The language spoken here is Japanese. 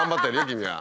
君は。